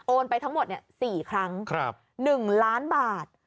ไปทั้งหมด๔ครั้ง๑ล้านบาท